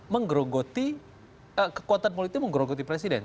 menggerogoti kekuatan politik menggerogoti presiden